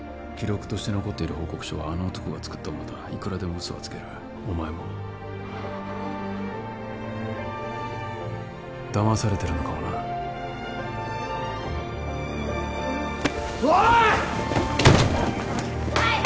記録として残っている報告書はあの男が作ったものだいくらでも嘘はつけるお前もだまされてるのかもなおい！